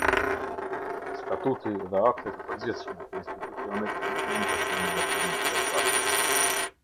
Statuti dhe aktet e përgjithshme të institucionit nuk mund kenë veprim retroaktiv.